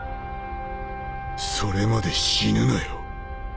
それまで死ぬなよ。